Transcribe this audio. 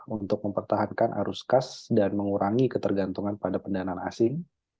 untuk mempertahankan arus kas dan mengurangi ketergantungan pada pendanaan asing